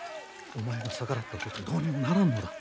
お前が逆らったとてどうにもならんのだ。